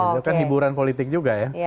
itu kan hiburan politik juga ya